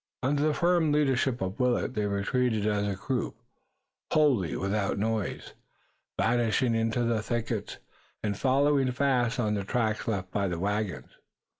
Under the firm leadership of Willet they retreated as a group, wholly without noise, vanishing in the thickets, and following fast on the tracks left by the wagons.